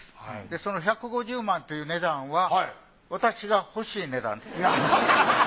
その１５０万という値段は私が欲しい値段です。